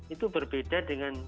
itu berbeda dengan